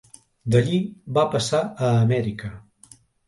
D'allí va passar a Amèrica.